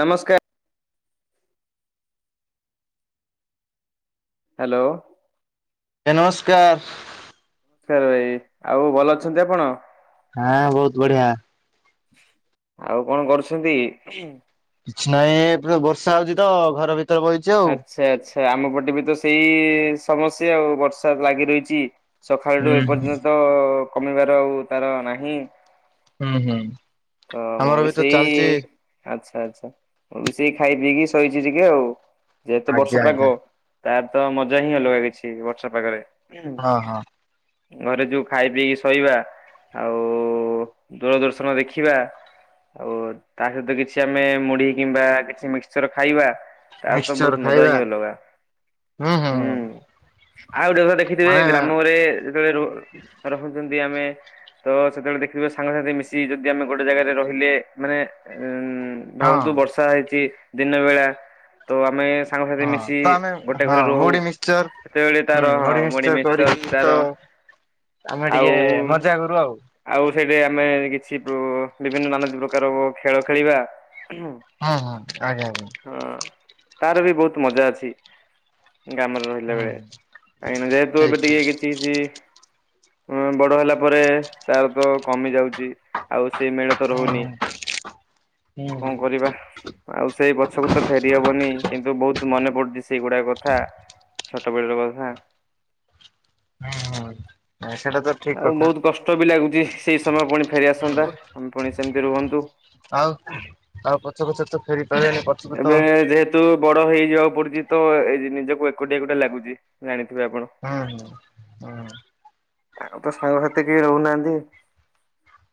ନମସ୍କାର। ହ୍ୟାଲୋ। ନମସ୍କାର। ଭାଇ ଆଉ ଭଲ ଅଛନ୍ତି ଆପଣ? ହଁ ବହୁତ ବଢିଆ। ଆଉ କଣ କରୁଛନ୍ତି? କିଛି ନାହିଁ ବର୍ଷା ହଉଛି ତ ଘର ଭିତରେ ବଇଚି ଆଉ। ସେ ଆମ ପଟେ ବି ତ ସେଇ ସମସ୍ୟା ଆଉ ବର୍ଷା ଲାଗି ରହିଚି। ହୁଁ ସକାଳଠୁ ହୁଁ ଏପର୍ଯ୍ୟନ୍ତ ତ କମିବାର ଆଉ ତାର ନାହିଁ। ହୁଁ ହୁଁ। ତ ମୁଁ ଆମର ବି ତ ସେଇ ଚାଲିଛି ଆଚ୍ଛା। ଆଚ୍ଛା ଆଚ୍ଛା ମୁଁ ବି ସେଇ ଖାଇ ପିଇକି ଶୋଇଛି ଟିକେ ଆଉ ଯେହେତୁ ଆଜ୍ଞା ବର୍ଷା ଆଜ୍ଞା। ପାଗ। ତାର ତ ମଜା ହିଁ ଅଲଗା କିଛି ବର୍ଷା ପାଗରେ ହଁ ହଁ। ଘରେ ଯୋଉ ଖାଇ ପିଇକି ଶୋଇବା ଆଉ ଦୂରଦର୍ଶନ ଦେଖି ଶିଖିବା ଆଉ ତା ସହିତ କିଛି ଆମେ ମୁଢି କିମ୍ବା କିଛି ମିକ୍ସଚର ଖାଇବା। ତାର ତ ମିକ୍ସଚର ବହୁତ ମଜା ଖାଇବା ହିଁ ହେଲା ହୁଁ। ଆଉ ଗୋଟେ ଦେଖିଥିବେ ମାନେ ଗ୍ରାମରେ ଯେତେବେଳେ ରହୁଚନ୍ତି ଆମେ ତ ସେତେବେଳେ ଦେଖି ଥିବ ସାଙ୍ଗସାଥି ମିଶିକି ଯଦି ଯଦି ଆମେ ଗୋଟେ ଜାଗାରେ ରହିଲେ ମାନେ ଉ ହଁ। ଭାବନ୍ତୁ ବର୍ଷା ହେଇଛି। ଦିନ ବେଳା ତ ଆମେ ସାଙ୍ଗସାଥି ହଁ ମିଶି ତ ଆମେ ଗୋଟେ ହଁ ଘରେ ରହୁ ମୁଢି ମିକ୍ସଚର ସେତେବେଳେ ହୁଁ ତାର ମୁଢି ମିକ୍ସଚର ମିସ୍କଚର କରିକି ତ ତାର ଆମେ ଆଉ ଟିକେ ମଜା କରୁ ଆଉ ହୁଁ ଆଉ ସେଇଠି ଆମେ ଶି ବିଭିନ୍ନ ନାନା ପ୍ରକାର ଖେଳ ଖେଳିବା। ହୁଁ ହୁଁ ଆଜ୍ଞା ହଁ ଆଜ୍ଞା। ତାର ବି ବହୁତ ମଜା ଅଛି। ଗ୍ରାମରେ ରହିଲା ବେଳେ କାହିଁକି ନା ଯେହେତୁ ଠିକ ଏବେ ଠିକ ଟିକେ କିଛି କିଛି ହଁ ବଡ ହେଲା ପରେ ତାର ତ କମି ଯାଉଚି। ଆଉ ସେ ମେଳ ତ ହୁଁ ରହୁନି। ହୁଁ ହୁଁ ହୁଁ ହୁଁ କଣ କରିବା ଆଉ ସେଇ ପଛକୁ ତ ଫେରି ହବନି କିନ୍ତୁ ବହୁତ୍ ମନେ ପଡୁଛି ସେଇଗୁଡା କଥା ଛୋଟ ବେଳର କଥା। ହୁଁ ହୁଁ। ନାଇଁ ସେଇଟା ତ ଠିକ ଆଉ କଥା ବହୁତ କଷ୍ଟ ବି ଲାଗୁଚି ସେଇ ସମୟ ପୁଣି ଫେରିଆସନ୍ତା ଆମେ ପୁଣି ସେମିତି ରୁହନ୍ତୁ। ଆଉ ଆଉ ପଛ ପଛ ତ ଫେରି ପାରିବନି ପଛକୁ ଏବେ ତ। ଯେହେତୁ ବଡ ହେଇଯିବାକୁ ପଡୁଛି ତ ଏଇ ନିଜକୁ ଏକୁଟିଆ ଏକୁଟିଆ ଲାଗୁ ଜାଣି ହୁଁ ହୁଁ। ଆଉ ତ ସାଙ୍ଗସାଥି କେହି ରହୁନାହାନ୍ତି।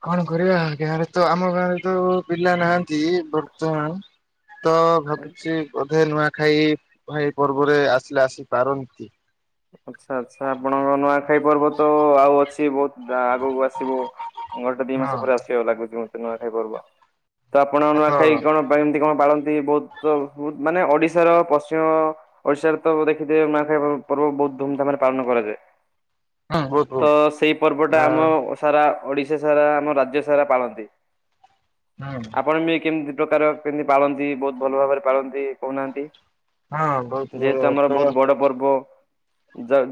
କଣ କରିବା ଗାଁରେ ତ ଆମ ଗାଁରେ ତ ପିଲା ନାହାନ୍ତି ବର୍ତ୍ତମାନ। ତ ଭାବୁଚି ବୋଧେ ନୂଆ ଖାଇ ଖୁଆଇ ପର୍ବରେ ଆସିଲେ ଆସି ପାରନ୍ତି। ଆଚ୍ଛା ଆଚ୍ଛା ଆପଣଙ୍କ ନୂଆଖାଇ ପର୍ବ ତ ଆଉ ଅଛି ବହୁତ ଆଗକୁ ଆସିବ। ମୁଁ ଗୋଟେ ଦି ମାସ ହଁ ପରେ ଆସିବାକୁ ଲାଗୁଛି ମୋତେ ନୂଆ ଖାଇ ପର୍ବ। ତ ଆପଣ ହଁ ନୂଆଖାଇ ହଁ କଣ କେମିତି କଣ ପାଳନ୍ତି? ବହୁତ ବ ମାନେ ଓଡିଶାର ପଶ୍ଚିମ ଓଡିଶାରେ ତ ଦେଖିଥିବେ ନୂଆଖାଇ ପର୍ବ ବହୁତ ଧୁମଧାମରେ ପାଳନ କରାଯାଏ। ବହୁତ ତ ବହୁତ ସେଇ ପର୍ବଟା ଆ ଆମ ସାରା ଓଡିଶା ସାରା ଆମ ରାଜ୍ୟ ସାରା ପାଳନ୍ତି ହୁଁ ଆପଣ ବି କେମିତି ପ୍ରକାର କେମିତି ପାଳନ୍ତି ବହୁତ ଭଲ ଭାବରେ ପାଳନ୍ତି କହୁନାହାନ୍ତି? ହଁ ବହୁତ ଯେହେତୁ ଆମର ତ ବହୁତ ବଡ ପର୍ବ।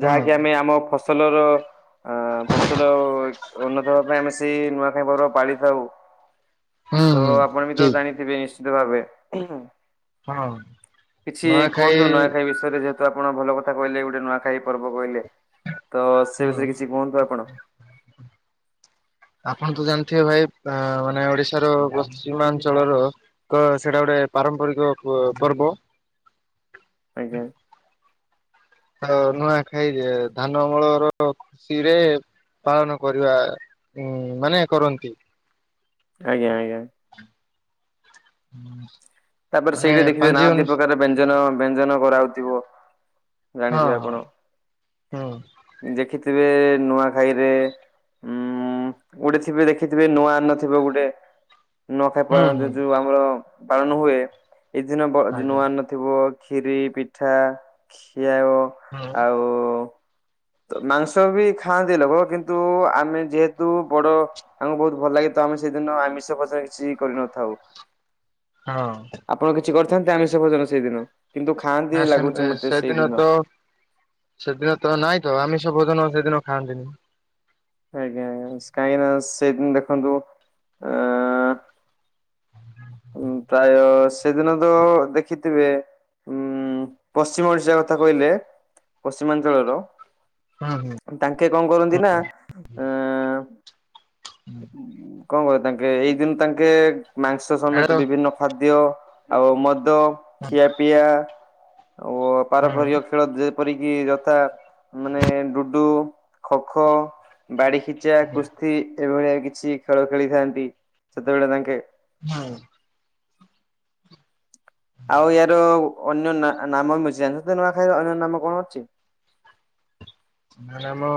ହୁଁ ଯାହାକି ଆମେ ଆମ ଫସଲର ଆ ଫସଲ ଉନ୍ନତ ହବା ପାଇଁ ଆମେ ସେଇ ନୂଆଖାଇ ପର୍ବ ପାଳିଥାଉ। ହୁଁ ତ ହୁଁ ଆପଣ ବି ତ ଠିକ। ଜାଣିଥିବେ ନିଶ୍ଚିତ ଭାବେ ଉ ହୁଁ। ହଁ କିଛି ନୂଆଖାଇ କୁହନ୍ତୁ ନୂଆଖାଇ ବିଷୟରେ ଯେହେତୁ ତ ଆପଣ ଭଲ କଥା କହିଲେ ଗୋଟେ ନୂଆଖାଇ ପର୍ବ କହିଲେ ତ ସେ ହୁଁ ବିଷୟରେ କିଛି କୁହନ୍ତୁ ଆପଣ। ଏଠି ଭାଇ ମାନେ ଓଡିଶାର ପଶ୍ଚିମାଞ୍ଚଳର ଏକ ସେଟା ଗୋଟେ ପାରମ୍ପରିକ ପ ପର୍ବ। ଆଜ୍ଞା ଆଉ ନୂଆଖାଇ ଧାନ ଅମଳର ଖୁସିରେ ପାଳନ କରିବା ଉ ମାନେ କରନ୍ତି। ଆଜ୍ଞା ଆଜ୍ଞା। [inaudible] ତାପରେ ମାନେ ସେଇି ଦେଖିଥ ପାଞ୍ଜି ନାହାତି ଅନୁ ପ୍ରକାର ବ୍ୟଞ୍ଜନ ବ୍ୟଞ୍ଜନ କରାହାଉଉଥିବ। ହଁ ଜାଣିଥିବେ ଆପଣ ହଁ ଦେଖ ଜାଣିଥିବେ ନୂଆଖାଇରେ ଊୂ। ଊ ଉଡିଥିବେ ଦେଖିଥିବେ ନୂଆ ନଥିବ ଗୋଟେ‌। ନ ଖାଇ ହୁଁ ହୁଁ ପାର ହୁଁ ଯୋଉ ଆମର ପାଳନ ହୁଏ ଏଇଦିନ ଆଜ୍ଞା ନୂଆ ନଥିବ। ଖୀରି ପିଠା ଖିଆ ହଁ ହୁଁ ଆଉ। ମାଂସ ବି ଖାଆନ୍ତି ଲୋକ କିନ୍ତୁ ଆମେ ଯେହେତୁ ବଡ ଆମକୁ ବହୁତ ଭଲ ଲାଗେତ। ଆମେ ସେଇଦିନ ଆମିଷ ପସ କିଛି କରିନଥାଉ। ହଁ। ଥାନ୍ତେ ଆମେ ସବୁ ଜଣ ସେଇଦିନ [unintelligible] ଖାଆନ୍ତି ନା ସେ ଲାଗୁଛି ମତେ ସେଦିନ ସେଇଦିନ। ତ ସେଦିନ ତ ନାଇଁ। ତ ଆମିସ ଭୋଜନ ସେଦିନ ଖାଆନ୍ତିିନି। ଆଜ୍ଞା ଆଜ୍ଞା କାହିଁକି ନା ସେଇଦିନ ଦେଖନ୍ତୁ ଆ ପ୍ରାୟ ସେଦିନ ତ ଦେଖିଥିବେ ଉଁ ପଶ୍ଚିମ ଓଡିଶା କଥା କହିଲେ ପଶ୍ଚିମାଞ୍ଚଳର। ହୁଁ ହୁଁ ତାଙ୍କେ କଣ କରନ୍ତି ନା ଆ ହୁଁ କଣ କହ ତାଙ୍କେ ଏଇ ଦିନ ତାଙ୍କେ ମାଂସ ସମେତ ହୁଁ ହୁଁ ବିଭିନ୍ନ ଖାଦ୍ୟ ଆଉ ମଦ ଖିଆପିଆ ଓ ପାରମ୍ପରିକ ଖେଳ ଏପରିକି ଯଥା ମାନେ ଲୁଡୁ ଖୋ ଖୋ ବାଡି ଖିଚା, କୁସ୍ତି ଏଭଳିଆ କିଛି ଖେଳ ଖେଳିଥାନ୍ତି ସେତେବେଳେ ତାଙ୍କେ ହଁ। ଆଉ ୟାର ଅନ୍ୟ ନାମ ଜାଣିଛନ୍ତି ନୂଆଖାଇ ଅନ୍ୟ ନାମ କଣ ଅଛି? [inaudible] ନା ମ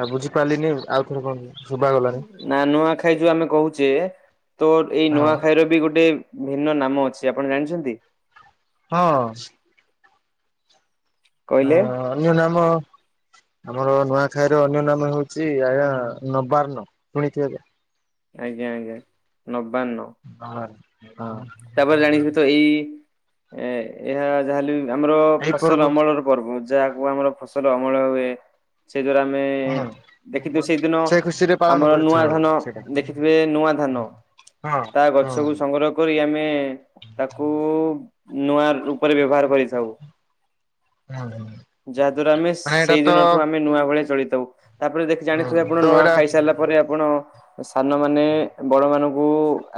ଆଉ ବୁଝିପାରିଲିନି ଆଉ ଥରେ କୁହନ୍ତୁ। ଶୁଭା ଗଲାନି ନା ନୂଆଖାଇ ଯୋଉ ଆମେ କହୁଛେ ତ ଏଇ ହଁ ନୂଆଖାଇ ର ବି ଗୋଟେ ଭିନ୍ନ ନାମ ଅଛି ଆପଣ ଜାଣିଛନ୍ତି? ହଁ ହଁ କହିଲେ ଅନ୍ୟ ନାମ। ଆମର ନୂଆଖାଇର ଅନ୍ୟ ନାମ ହଉଛି ଆଜ୍ଞା ନବାର୍ଣ ଶୁଣିଥିବେ। ଆଜ୍ଞା ଆଜ୍ଞା ନ। ହଁ। ତାପରେ ଜାଣିଛୁ ତ ଏଇ ଏ ଏହା ଯାହାଲେ ଆମର ଏଇ ପର୍ବ ଫସଲ ଅମଳର ପର୍ବ ଯାହାକୁ ଆମର ଫସଲ ଅମଳ ହୁଏ। ସେଇ ଯୌରା ଆମେ ହଁ। ଦେଖିଛୁ ସେଇଦିନ ସେ ଖୁସିରେ ପାଳନ ଆମର ନୂଆ କରିଥାଉ ଧାନ ସେଇଟା ଦେଖିଥିବେ ନୂଆ ଧାନ। ହଁ ତା ହଁ ଗଛକୁୁ ସଂଗ୍ରହ କରି ଆମେ ତାକୁ ନୂଆ ରୁପରେ ବ୍ୟବହାର କରିଥାଉ। ହଁ। ଯାହା ଦ୍ଵାରା ଆମେ ମାନେ ଏଇଟା ସେଇ ତ ଦିନଠୁ ଆମେ ନୂଆ ଭଳିଆ ଚଳ ତଉ ତାପରେ ଦେଖି ଜାଣିଥିବେ ହଁ ଆପଣ ତ ନୂଆ ଏଇଟା ଖାଇସାରିଲା ପରେ ଆପଣ ସାନ ମାନେ ବଡ ମାନଙ୍କୁ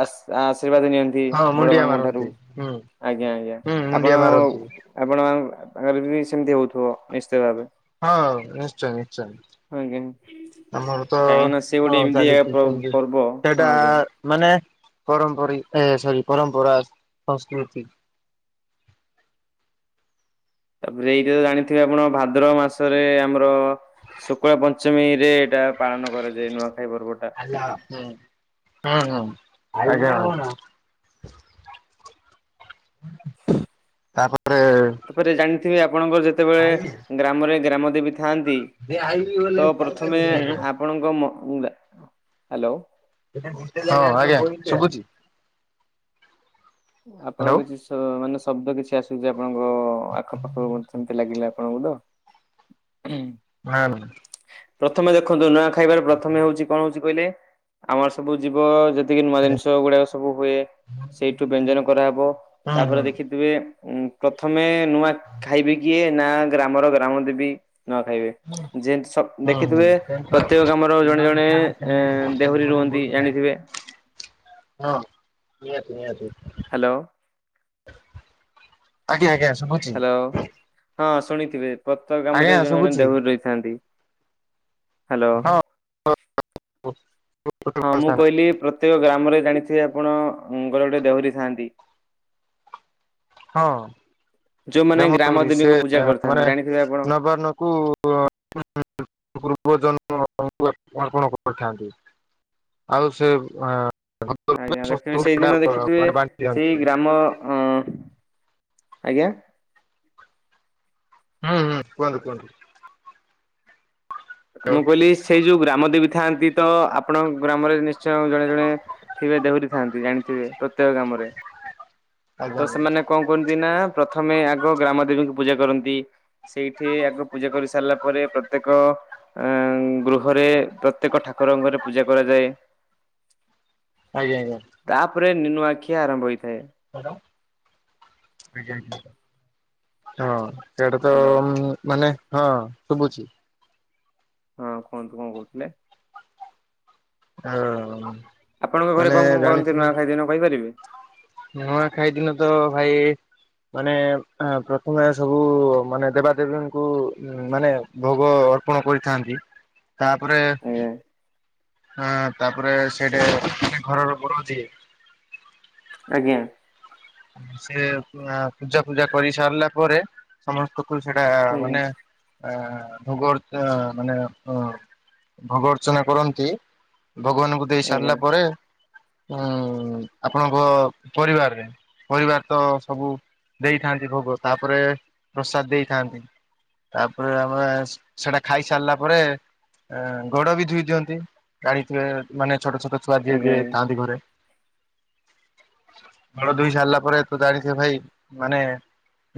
ଆଶୀ ଆଶୀର୍ବାଦ ନିଅନ୍ତି। ହଁ ମୁଣ୍ଡିଆ ସେମାନଙ୍କ ଠାରୁ ମାରନ୍ତି ହୁଁ ଆଜ୍ଞା ଆଜ୍ଞା ହୁଁ ମୁଣ୍ଡିଆ ଆପଣ ମାରନ୍ତି। ଆପଣ ତାଙ୍କର ବି ସେମିତି ହଉଥିବ ନିଶ୍ଚିତ ଭାବେ। ହଁ ନିଶ୍ଚୟ ନିଶ୍ଚୟ। ଆଜ୍ଞା। ଆମର ତ କାହିଁକି ନା ସେ ଗୋଟେ ହଁ ଏମିତିଆ ଚାଲିଛି ସେମତି ପର୍ବ ହଁ ସେଟା ଆଜ୍ଞା। ମାନେ ପରମ୍ପରି ଏ ସରି ପରମ୍ପରା ସଂସ୍କୃତି। ତାପରେ ଏଇଟା ଜାଣିଥିବେ ଆପଣ ଭାଦ୍ର ମାସରେ ଆମର ଶୁକ୍ଳ ପଞ୍ଚମୀ ରେ ଏଇଟା ପାଳନ କରାଯାଏ ନୂଆ ଆଲା ହୁଁ ହୁଁ ହୁଁ। ଆଜ୍ଞା। ତାପରେ ଥିବେ ଆପଣଙ୍କର ହଁ ଯେତେବେଳେ ଗ୍ରାମରେ ଗ୍ରାମ ଦେବୀ ଥାନ୍ତି ତ ପ୍ରଥମେ ଆପଣଙ୍କ ମ ହ୍ୟାଲୋ। ହଁ ଆଜ୍ଞା ଶୁବୁଛି। ଆପଣଙ୍କ କିଛି ମାନେ ସ ଶବ୍ଦ କିଛି ଆସୁଛି ଆପଣଙ୍କ ଆଖପାଖରୁ ଲାଗିଲା ଆପଣଙ୍କୁ ତ। ନା ନା। ପ୍ରଥମେ ଦେଖନ୍ତୁ ନୂଆ ଖାଇବାର ପ୍ରଥମେ ହଉଛି କଣ ହଉଛି କହିଲେ ଆମର ସବୁ ଜୀବ ଯେ ଏତିକି ନୂଆ ଜିନିଷ ଗୁଡାକ ସବୁ ହୁଏ ସେଇଠୁ ବ୍ୟଞ୍ଜନ କରାହେବ ତାପରେ ହୁଁ। ହୁଁ ହୁଁ ଦେଖିଥିବେ ଉଁ ପ୍ରଥମେ ନୂଆ ଖାଇବି କିଏ ନା ଗ୍ରାମର ଗ୍ରାମ ଦେବି। ନୂଆ ଖାଇବେ ଯେ ଶ୍ ହଁ ଦେଖିଥିବେ ପ୍ରତ୍ୟେକ ଗାମର ନିହାତି ଜଣେ ନିହାତି ଜଣେ ଆଜ୍ଞା ଦେହୁରୀ ରୁହ ଛନ୍ତୀ ଜାଣିଥିବେ। ହଁ ନିହାତି ନିହାତି। ହ୍ୟାଲୋ। ଆଜ୍ଞା ଆଜ୍ଞା। ହ୍ୟାଲୋ ହଁ ଶୁଣିଥିବେ। ପ୍ରତେକ ଆଜ୍ଞା ଗାମରେ ଜଣେ ଜଣେ ଶୁଭୁଛି ଦେହରୁୀ ରହିଥାନ୍ତି ହ୍ୟାଲୋ। ହଁ ମୁଁ କହିଲି ପ୍ର ପ୍ରତ୍ୟେକ ଗ୍ରାମରେ ଜାଣିଥିବେ ଆପଣଙ୍କର ଗୋଟେ ଦେହୁରୀ ଥାଆନ୍ତି। ହଁ। ଯୋଉମାନେ ଗ୍ରାମ ରମରି ସେ ଦେବୀଙ୍କୁ ପୂଜା କରିଥାନ୍ତି ମାନେ ଜାଣିଥିବେ ଆପଣ ନଭାର ନ କୁ [inaudible] ପୁଅ ଜନ୍ମଙ୍କୁ [unintelligible] ଅର୍ପଣ କରିଥାନ୍ତି ଆଉ ସେ ଅ ଆଜ୍ଞା ଦେକ୍ଷଣ ସେଇଦିନ ଦେଖିଥିବେ ମାନେ ବାଣ୍ଟି ଦିଅନ୍ତି ସେଇ ହୁଁ ଗ୍ରାମ ଅ ଆଜ୍ଞା। ହୁଁ ହୁଁ କୁହନ୍ତୁ କୁହନ୍ତୁ। ମୁଁ କହିଲି ସେଇ ଯୋଉ ଗ୍ରାମ ଦେବୀ ଥାଆନ୍ତି ତ ଆପଣଙ୍କ ଗ୍ରାମରେ ନିଶ୍ଚୟ ଜଣେ ଜଣେ ଥିବେ ଦେଉରି ଥାନ୍ତି ଜାଣିଥିବେ ପ୍ରତ୍ୟେକ ଗାମରେ। ଆଜ୍ଞା ତ ସେମାନେ କଣ କରୁନ୍ତି ନା ପ୍ରଥମେ ଆଗ ଗ୍ରାମ ଦେବୀଙ୍କୁ ପୂଜା କରନ୍ତି ସେଇଠି ଆଗ ପୂଜା କରି ସାରିଲା ପରେ ପ୍ରତ୍ୟେକ ଆ ଗୃହରେ ପ୍ରତ୍ୟେକ ଠାକୁରଙ୍କରେ ପୂଜା କରାଯାଏ। ଆଜ୍ଞ ଆଜ୍ଞା। ଉପରେ ନୁନାଖିଆ ଆରମ୍ଭ ହୋଇ ଆଜ୍ଞା ହଁ। ସେଟା ତ ହ୍ୟାଲୋ ମାନେ ହଁ ଶୁଭୁଛି। ହଁ କୁହନ୍ତୁ କଣ କହୁଥିଲେ? ହଁ। ଆପଣଙ୍କ ଘରେ ମାନେ କଣ କଣ ଜାଣି କରନ୍ତି ନୂଆଖାଇ ଦିନ କହିପାରିବେ? ନୂଆ ଖାଇଦିନ ତ ଭାଇ ମାନେ ପ୍ରଥମେ ସବୁ ମାନେ ଦେବାଦେବୀଙ୍କୁ ମାନେ ଭୋଗ ଅର୍ପଣ କରିଥାନ୍ତି ତାପରେ ହଁ ତାପରେ ସେଇଟା ମାନେ ଘରର ବଡ଼ ଯିଏ ଆଜ୍ଞା। ସେ ପୂଜା ଫୂଜା କରି ସାରିଲା ପରେ ସମସ୍ତଙ୍କୁ ଫୁଲୁ ସେଟା ଆଜ୍ଞା ମାନେ ଆ ଭୋଗ ଅର୍ଚ ମାନେ ଅ ଭୋଗ ଅର୍ଚ୍ଚନା କରନ୍ତି। ଭଗବାନଙ୍କୁ ଦେଇ ଆଜ୍ଞା ସାରିଲା ପରେ ଉଁ ଆପଣଙ୍କ ପରିବାରରେ ପରିବାର ତ ସବୁ ଦେଇଥାନ୍ତି ଭୋଗ ତାପରେ ପ୍ରସାଦ ଦେଇଥାନ୍ତି। ତାପରେ ଆମେ ସେଟା ଖାଇ ସାରିଲା ପରେ ଗୋଡ ବି ଧୁଇଦିଅନ୍ତି ଜାଣିଥିବେ ମାନେ ଛୋଟ ଛୋଟ ଛୁଆ ଯିଏ ଆଜ୍ଞା ଯିଏ ଆଜ୍ଞା। ଥାଆନ୍ତି ଘରେ ଦୁଇ ସାରିଲା ପରେ ତ ଜାଣିଥିବେ ଭାଇ ମାନେ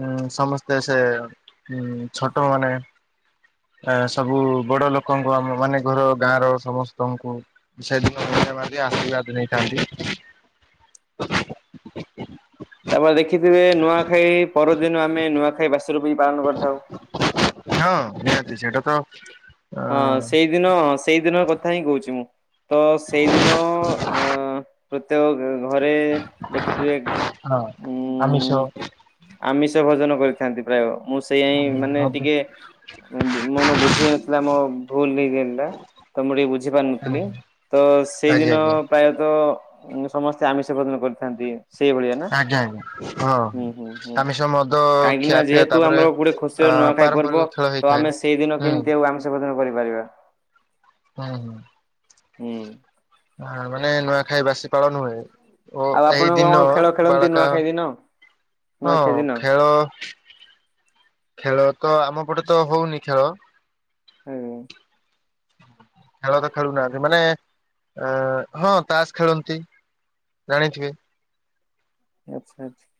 ଉଁ ସମସ୍ତେ ସେ ଉଁ ଛୋଟ ମାନେ ଅ ସବୁ ବଡ ଲୋକଙ୍କୁ ଆମ ମାନେ ଘର ଗାଁ ର ସମସ୍ତଙ୍କୁ ମିଶାଇଦବା। ଆଶୀର୍ବାଦ ନେଇଥାନ୍ତି। [inaudible] ତାପରେ ଦେଖିଥିବେ ନୂଆଖାଇ ପରଦିନ ଆମେ ନୂଆଖାଇ ବାସ ରୂପୀ କି ପାଳନ କରିଥାଉ। ହଁ ନିହାତି ସେଇଟା ତ ହଁ ଅ ସେଇଦିନ ସେଇଦିନ କଥା ହିଁ କହୁଛି ମୁଁ ତ ସେଇଦିନ ଅ ପ୍ରତ୍ୟେକ ଘରେ ଦେଖିଥିବେ ହଁ ଆମିଷ। ଦ୍ଵିତୀୟ ଭୋଜନ କରିଥାନ୍ତି ପ୍ରାୟ ମୁଁ ସେଇୟା ହିଁ ମାନେ ମଦ ଟିକେ ଉଁ ମନ ବୁଝେଇବାକୁ। କାମ ଭୁଲ୍ ହେଇଗଲା। ତ ମୁଁ ଟିକେ ବୁଝି ପାରୁନଥିଲି ଆଜ୍ଞା ତ ସେଇଦିନ ଆଜ୍ଞା ପ୍ରାୟତଃ ତ ଉଁ ସମସ୍ତେ ଆମିଷ ଭୋଜନ କରିଥାନ୍ତି। ସେଇଭଳିଆ ନା ଆଜ୍ଞା ଆଜ୍ଞା ହଁ ହୁଁ ହୁଁ ହୁଁ ଆମିଷ ମଦ କାହିଁକି ଖିଆ ନା ପିଆ ଯେହେତୁ ତାପରେ ଆମର ଗୋଟେ ଖୁସି ଅ ନୂଆଖାଇ ପାରମ୍ପରିକ ପର୍ବ ଖେଳ ତ ହେଇଥାଏ। ଆମେ ସେଇଦିନ ହୁଁ କେମିତି ଆଉ ଆମିଷ ଭୋଜନ କରିପାରିବା। ହୁଁ ହୁଁଙଙ ଉମ ହୁଁ ହ ମାନେ ନୂଆଖାଇ ବାସି ପାଳନ ହୁଏ। ଓ ଆଉ ଆପଣ ଏଇ କଣ ଦିନ ଖେଳ ଖେଳନ୍ତି ବାଳକା ନୂଆଖାଇ ଦିନ ହଁ ନୂଆଖାଇ ଦିନ ଖେଳ ଖେଳ ତ ଆମ ପଟେ ତ ହଉନି ଖେଳ। ହୁଁ। ଖେଳ ତ ଖେଳୁନାହାନ୍ତି ମାନେ ଅ ହଁ ତାସ ଖେଳନ୍ତି। ଜାଣିଥିବେ। ଆଚ୍ଛା ଆଚ୍ଛା।